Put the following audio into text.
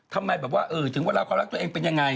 ทำไมถึงว่าเราก็รักตัวเองเป็นยังไง